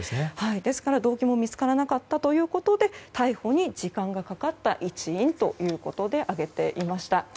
ですから動機も見つからなかったということで逮捕に時間がかかった一因ということで挙げていました。